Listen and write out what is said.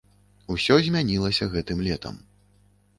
Усё змянілася гэтым летам.